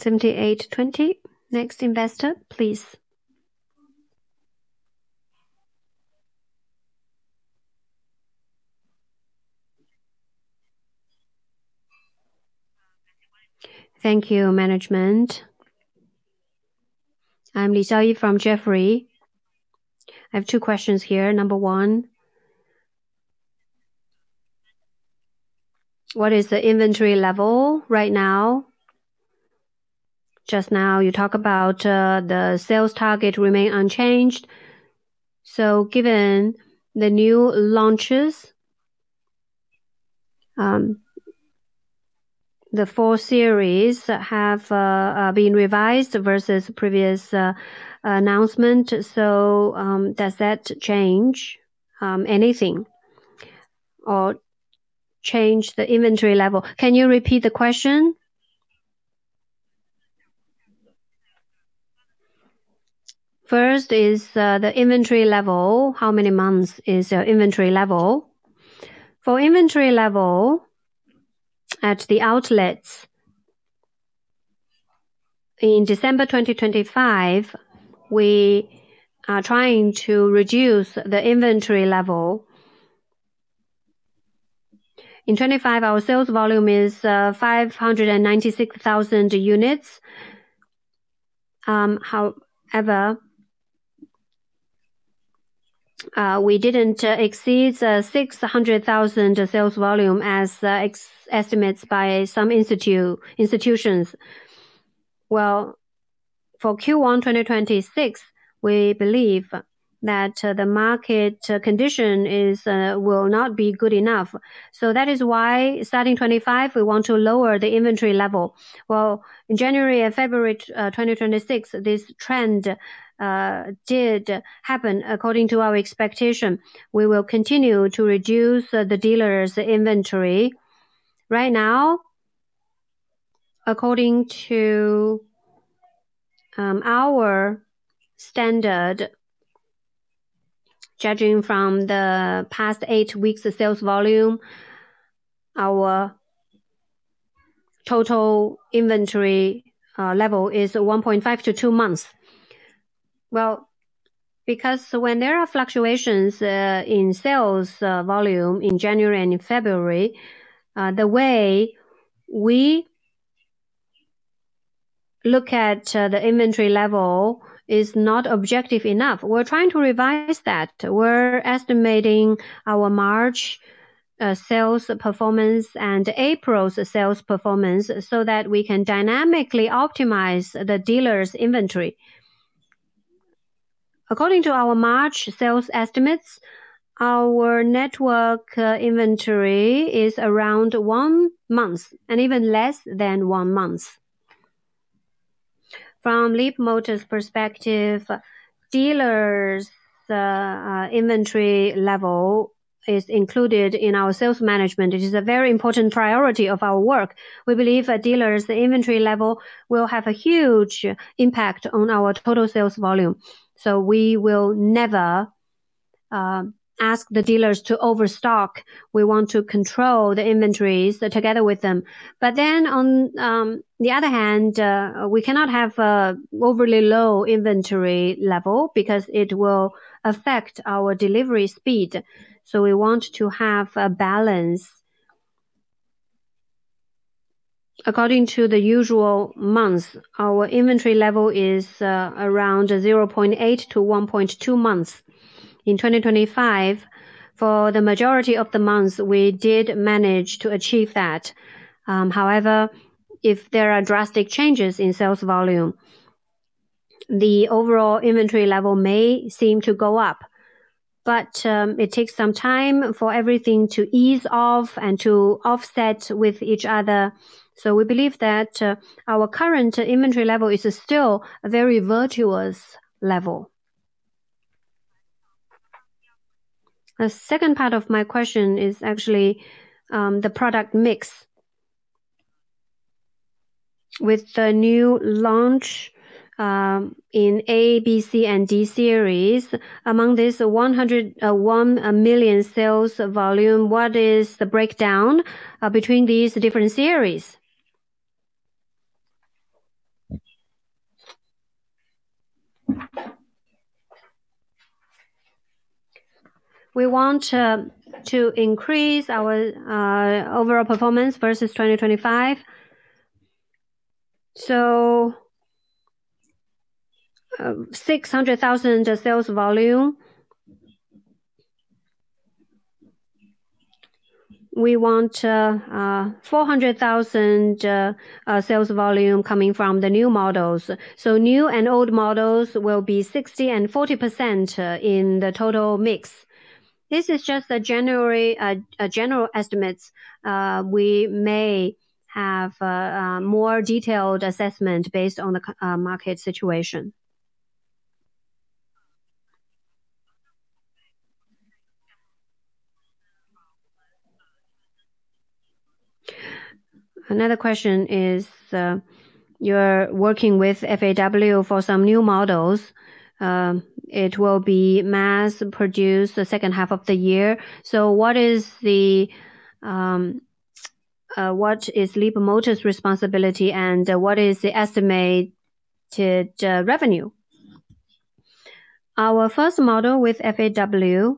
7820. Next investor, please. Thank you, management. I'm Lisa Yi from Jefferies. I have two questions here. Number one, what is the inventory level right now? Just now you talk about the sales target remain unchanged. Given the new launches, the four series have been revised versus previous announcement. Does that change anything or change the inventory level? Can you repeat the question? First is the inventory level. How many months is your inventory level? For inventory level at the outlets, in December 2025, we are trying to reduce the inventory level. In 2025, our sales volume is 596,000 units. However, we didn't exceed 600,000 sales volume as estimates by some institutions. Well, for Q1 2026, we believe that the market condition is will not be good enough. That is why starting 2025 we want to lower the inventory level. Well, in January and February 2026, this trend did happen according to our expectation. We will continue to reduce the dealers' inventory. Right now, according to our standard, judging from the past eight weeks' sales volume, our total inventory level is 1.5 months to two months. Well, because when there are fluctuations in sales volume in January and in February, the way we look at the inventory level is not objective enough. We're trying to revise that. We're estimating our March sales performance and April's sales performance so that we can dynamically optimize the dealers' inventory. According to our March sales estimates, our network inventory is around one month and even less than one month. From Leapmotor's perspective, dealers' inventory level is included in our sales management. It is a very important priority of our work. We believe a dealer's inventory level will have a huge impact on our total sales volume. We will never ask the dealers to overstock. We want to control the inventories together with them. On the other hand, we cannot have an overly low inventory level because it will affect our delivery speed. We want to have a balance. According to the usual months, our inventory level is around 0.8 months-1.2 months. In 2025, for the majority of the months, we did manage to achieve that. However, if there are drastic changes in sales volume, the overall inventory level may seem to go up. It takes some time for everything to ease off and to offset with each other. We believe that our current inventory level is still a very virtuous level. The second part of my question is actually the product mix. With the new launch in A, B, C, and D series, among this 101 million sales volume, what is the breakdown between these different series? We want to increase our overall performance versus 2025. 600,000 sales volume. We want 400,000 sales volume coming from the new models. New and old models will be 60% and 40% in the total mix. This is just a general estimate. We may have more detailed assessment based on the current market situation. Another question is, you're working with FAW for some new models, it will be mass produced the second half of the year. What is Leapmotor's responsibility and what is the estimated revenue? Our first model with FAW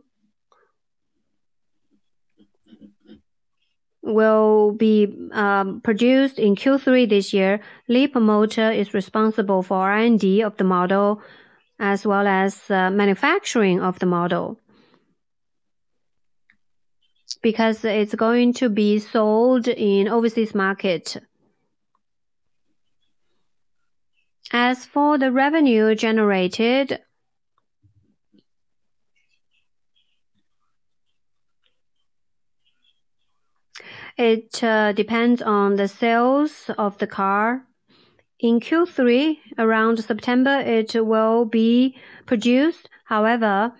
will be produced in Q3 this year. Leapmotor is responsible for R&D of the model as well as manufacturing of the model. It's going to be sold in overseas market. As for the revenue generated, it depends on the sales of the car. In Q3, around September, it will be produced. However,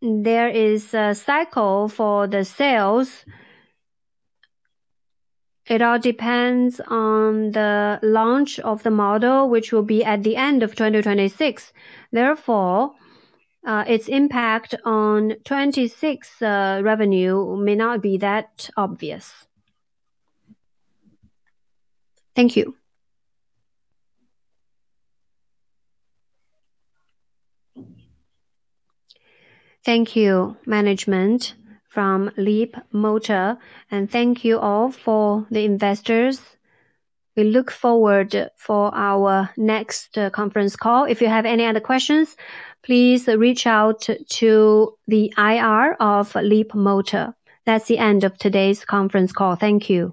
there is a cycle for the sales. It all depends on the launch of the model which will be at the end of 2026. Therefore, its impact on 2026 revenue may not be that obvious. Thank you. Thank you, management from Leapmotor, and thank you all for the investors. We look forward for our next conference call. If you have any other questions, please reach out to the IR of Leapmotor. That's the end of today's conference call. Thank you.